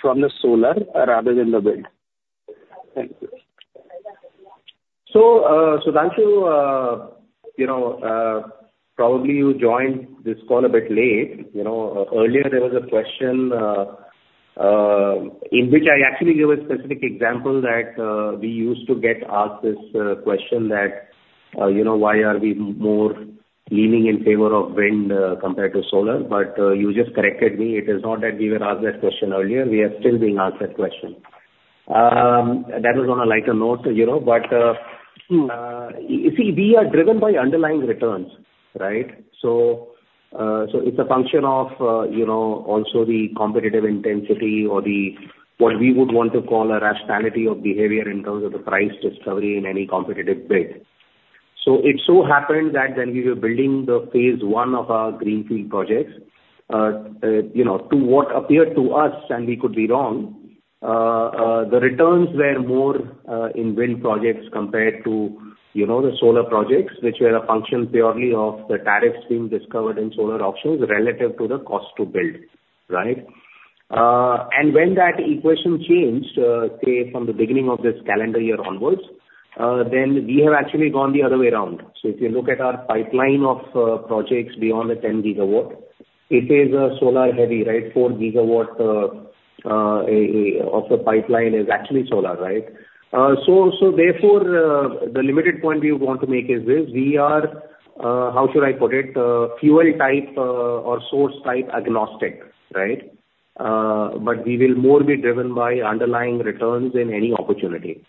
from the solar rather than the wind? Thank you. Sudhanshu, you know, probably you joined this call a bit late. You know, earlier there was a question, in which I actually gave a specific example that, we used to get asked this question that, you know, why are we more leaning in favor of wind, compared to solar? But, you just corrected me. It is not that we were asked that question earlier, we are still being asked that question. That was on a lighter note, you know. But.. Hmm You see, we are driven by underlying returns, right? So, it's a function of, you know, also the competitive intensity or the, what we would want to call a rationality of behavior in terms of the price discovery in any competitive bid. So it so happened that when we were building the phase one of our greenfield projects, you know, to what appeared to us, and we could be wrong, the returns were more, in wind projects compared to, you know, the solar projects, which were a function purely of the tariffs being discovered in solar auctions relative to the cost to build, right? And when that equation changed, say, from the beginning of this calendar year onwards, then we have actually gone the other way around. If you look at our pipeline of projects beyond the 10 GW, it is solar heavy, right? Four GW of the pipeline is actually solar, right? So therefore, the limited point we want to make is this: we are, how should I put it? Fuel type or source type agnostic, right? But we will more be driven by underlying returns in any opportunity.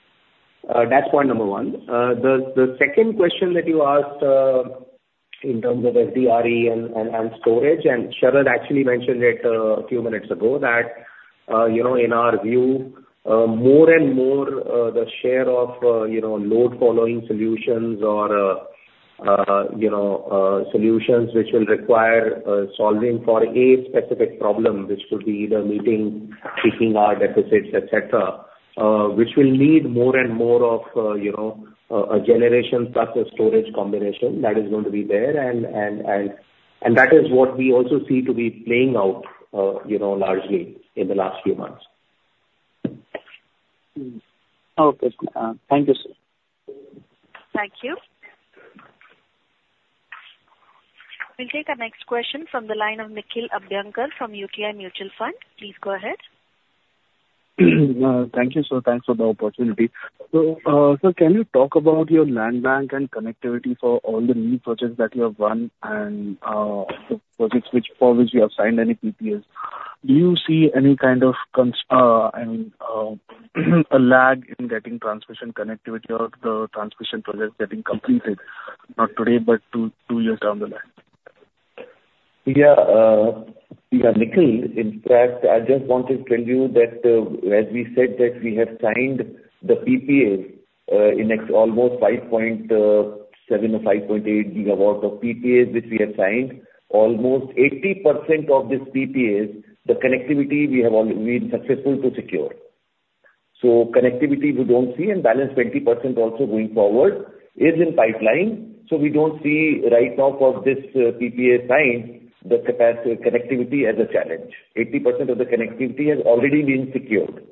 That's point number one. The second question that you asked, in terms of FDRE and storage, and Sharad actually mentioned it, a few minutes ago, that, you know, in our view, more and more, the share of, you know, load-following solutions or, you know, solutions which will require, solving for a specific problem, which could be either meeting peaking hour deficits, et cetera, which will need more and more of, you know, a generation plus a storage combination that is going to be there, and that is what we also see to be playing out, you know, largely in the last few months. Okay. Thank you, sir. Thank you. We'll take our next question from the line of Nikhil Abhyankar from UTI Mutual Fund. Please go ahead. Thank you, sir. Thanks for the opportunity. So, sir, can you talk about your land bank and connectivity for all the new projects that you have won and, the projects which, for which you have signed any PPAs? Do you see any kind of cons, and a lag in getting transmission connectivity or the transmission projects getting completed, not today, but two years down the line? Yeah, yeah, Nikhil, in fact, I just want to tell you that, as we said, that we have signed the PPAs in excess of almost 5.7 or 5.8 GWs of PPAs, which we have signed. Almost 80% of these PPAs, the connectivity we have already been successful to secure. So connectivity, we don't see, and balance 20% also going forward is in pipeline. So we don't see right now for this PPA signed, the connectivity as a challenge. 80% of the connectivity has already been secured.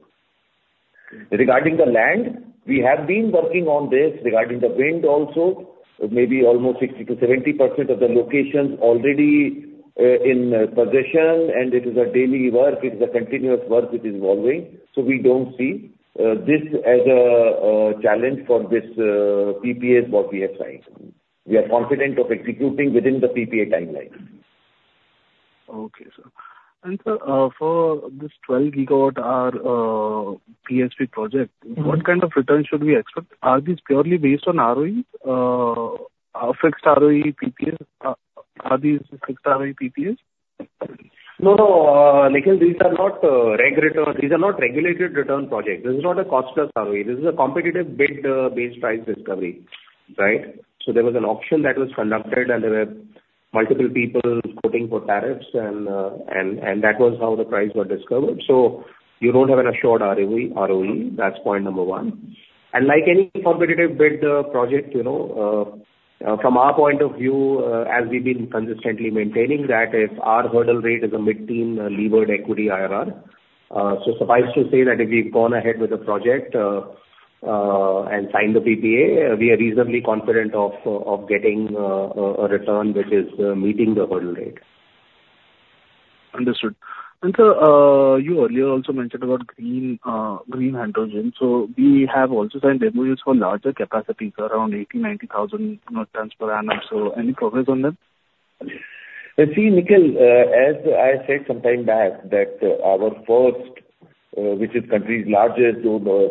Regarding the land, we have been working on this. Regarding the wind also, maybe almost 60%-70% of the locations already in possession, and it is a daily work, it is a continuous work which is ongoing. So we don't see this as a challenge for this PPAs what we have signed. We are confident of executing within the PPA timeline. Okay, sir. And sir, for this 12 GW-hour PSP project. What kind of return should we expect? Are these purely based on ROE, or fixed ROE PPAs? Are these fixed ROE PPAs? No, no, Nikhil, these are not regulated return projects. This is not a cost plus ROE. This is a competitive bid base price discovery, right? So there was an auction that was conducted, and there were multiple people quoting for tariffs, and that was how the price was discovered. So you don't have an assured ROE, ROE. That's point number one. Like any competitive bid project, you know, from our point of view, as we've been consistently maintaining that if our hurdle rate is a mid-teen levered equity IRR. So suffice to say that if we've gone ahead with the project and signed the PPA, we are reasonably confident of getting a return which is meeting the hurdle rate. Understood. And sir, you earlier also mentioned about green hydrogen. So we have also signed MOUs for larger capacities, around 80-90 thousand tons per annum. So any progress on that? See, Nikhil, as I said some time back, that our first, which is country's largest,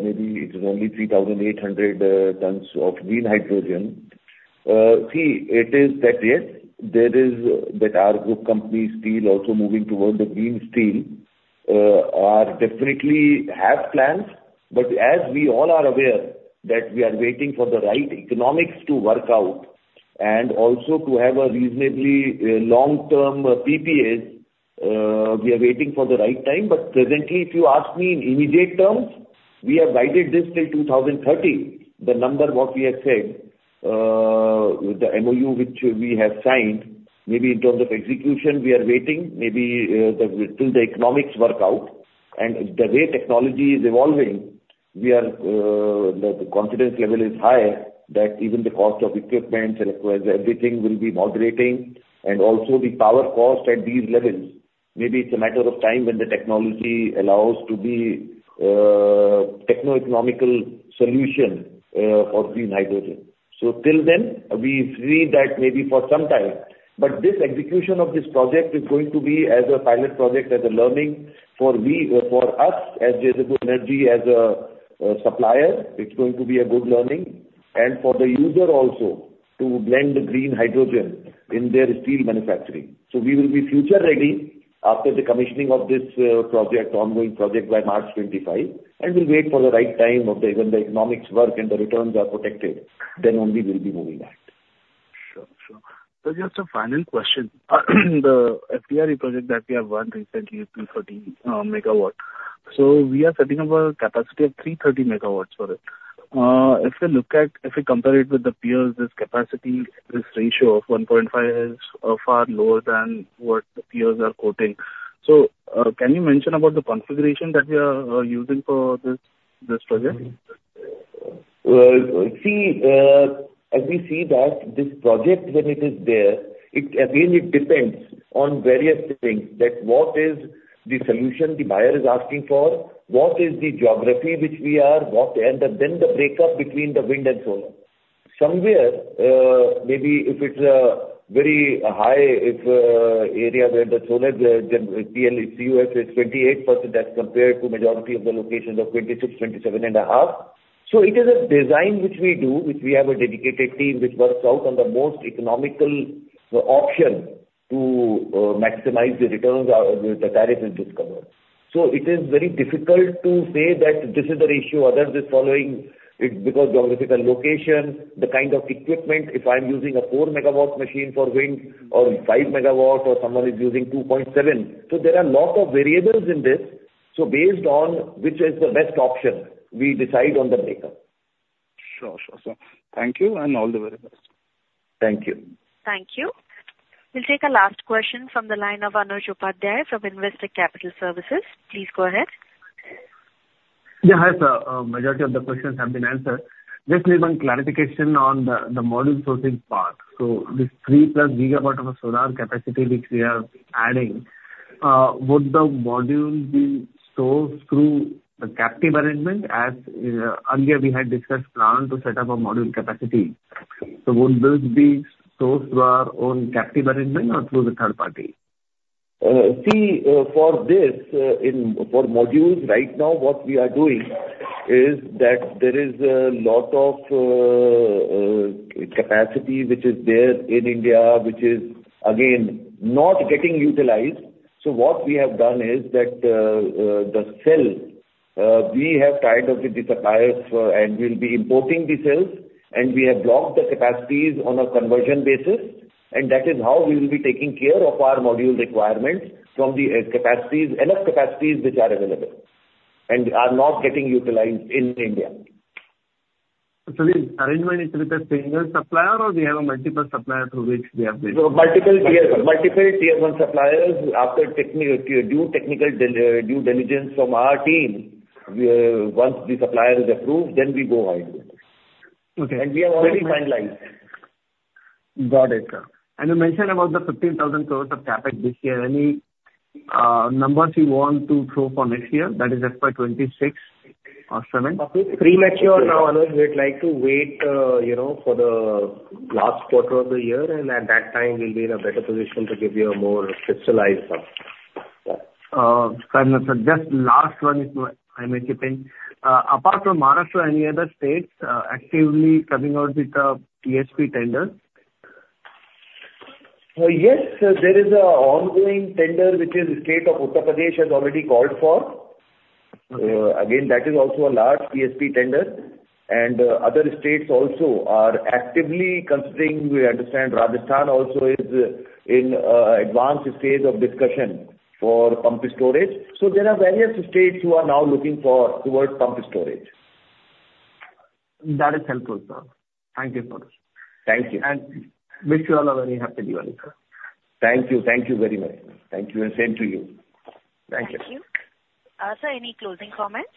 maybe it is only 3,800 tons of green hydrogen. See, it is that, yes, there is, that our group company, steel, also moving towards the green steel, definitely have plans, but as we all are aware, that we are waiting for the right economics to work out and also to have a reasonably long-term PPAs, we are waiting for the right time. But presently, if you ask me in immediate terms, we have guided this till 2030. The number what we have said, the MOU which we have signed, maybe in terms of execution, we are waiting, maybe, the, till the economics work out. And the way technology is evolving, we are... The confidence level is high that even the cost of equipment and everything will be moderating. And also the power cost at these levels, maybe it's a matter of time when the technology allows to be a techno-economic solution for green hydrogen. So till then, we see that maybe for some time, but this execution of this project is going to be as a pilot project, as a learning for us, as JSW Energy, as a supplier. It's going to be a good learning, and for the user also, to blend the green hydrogen in their steel manufacturing. So we will be future ready after the commissioning of this project, ongoing project by March 2025, and we'll wait for the right time when the economics work and the returns are protected, then only we'll be moving ahead. Sure. Sure. So just a final question. The FDRE project that we have won recently is 240 MW. So we are setting up a capacity of 330 MW for it. If you look at, if we compare it with the peers, this capacity, this ratio of 1.5 is far lower than what the peers are quoting. Can you mention about the configuration that you are using for this project? See, as we see that this project, when it is there, again it depends on various things, that what is the solution the buyer is asking for? What is the geography which we are, and then the breakup between the wind and solar. Somewhere, maybe if it's a very high area where the solar, the CUF is 28% as compared to majority of the locations of 26%-27.5%. So it is a design which we do, which we have a dedicated team which works out on the most economical option to maximize the returns or the tariff in this case. So it is very difficult to say that this is the ratio others are following. It's because geographical location, the kind of equipment, if I'm using a four-megawatt machine for wind or five-megawatt or someone is using 2.7. So there are a lot of variables in this. So based on which is the best option, we decide on the breakup. Sure, sure, sir. Thank you, and all the very best. Thank you. Thank you. We'll take a last question from the line of Anuj Upadhyay from Investec Capital Services. Please go ahead. Yeah, hi, sir. Majority of the questions have been answered. Just need one clarification on the module sourcing part. So this three plus GW of solar capacity which we are adding, would the module be sourced through the captive arrangement? As earlier, we had discussed plan to set up a module capacity. So would this be sourced through our own captive arrangement or through the third party? See, for modules, right now, what we are doing is that there is a lot of capacity which is there in India, which is again not getting utilized. So what we have done is that the cells we have tied up with the suppliers, and we'll be importing the cells, and we have blocked the capacities on a conversion basis, and that is how we will be taking care of our module requirements from the capacities, enough capacities which are available and are not getting utilized in India. The arrangement is with a single supplier, or we have a multiple supplier through which we are doing? (crosstalk) Multiple tier one suppliers. After technical due diligence from our team, once the supplier is approved, then we go ahead with it. Okay (crosstalk) We have already finalized. Got it, sir. And you mentioned about the 15,000 crores of CapEx this year. Any numbers you want to throw for next year? That is FY 2026 or 2027. It's premature now, Anuj. We'd like to wait, you know, for the last quarter of the year, and at that time we'll be in a better position to give you a more crystallized number. Fair enough, sir. Just last one, if I may chip in. Apart from Maharashtra, any other states actively coming out with the PSP tender? Yes, there is an ongoing tender which the State of Uttar Pradesh has already called for. Again, that is also a large PSP tender, and other states also are actively considering. We understand Rajasthan also is in advanced stage of discussion for pumped storage. There are various states who are now looking towards pumped storage. That is helpful, sir. Thank you for this. Thank you. Wish you all a very happy Diwali, sir. Thank you. Thank you very much. Thank you, and same to you. Thank you. Thank you. Sir, any closing comments?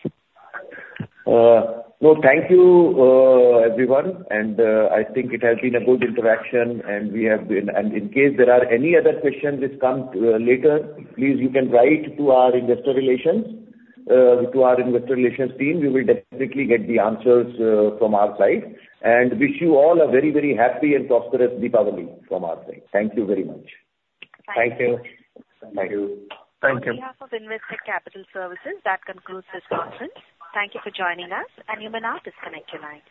Well, thank you, everyone, and I think it has been a good interaction. In case there are any other questions which come later, please you can write to our investor relations, to our investor relations team. We will definitely get the answers from our side, and wish you all a very, very happy and prosperous Deepavali from our side. Thank you very much. Thank you. Thank you. Thank you. On behalf of Investec Capital Services, that concludes this conference. Thank you for joining us, and you may now disconnect your lines.